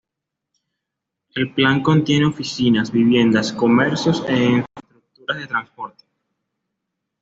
El plan contiene oficinas, viviendas, comercios e infraestructuras de transporte.